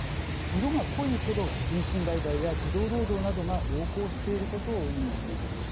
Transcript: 色が濃いほど人身売買や児童労働などが横行していることを意味しています。